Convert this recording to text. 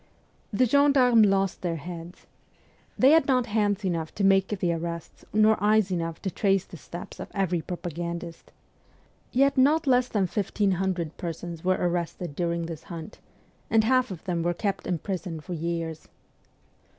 The gendarmes lost their heads. They had not hands enough to make the arrests nor eyes enough to trace the steps of every propagandist. Yet not less than fifteen hundred persons were arrested during this hunt, and half of them were kept in prison for years.